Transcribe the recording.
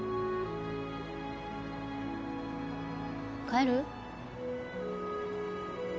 帰る？